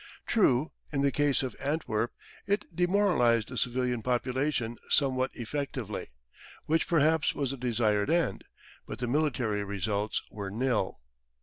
True, in the case of Antwerp, it demoralised the civilian population somewhat effectively, which perhaps was the desired end, but the military results were nil.